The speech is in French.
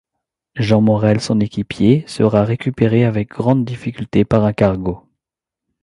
Jean Maurel, son équipier, sera récupéré avec grandes difficultés par un cargo.